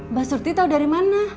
mbak surti tahu dari mana